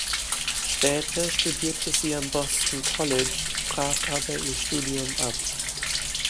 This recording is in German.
Später studierte sie am "Boston College", brach aber ihr Studium ab.